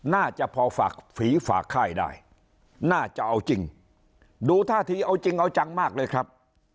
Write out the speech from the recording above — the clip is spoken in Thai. น่าจะพอฝากฝีฝากค่ายได้น่าจะเอาจริงดูท่าทีเอาจริงเอาจังมากเลยครับ